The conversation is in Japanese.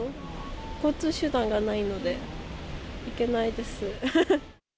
交通手段がないので、行けないです。